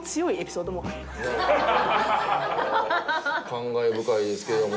感慨深いですけども。